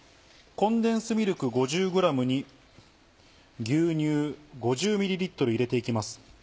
コンデンスミルク５０ｇに牛乳５０ｍ入れて行きます。